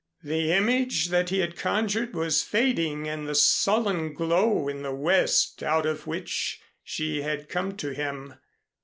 The image that he had conjured was fading in the sullen glow in the West out of which she had come to him.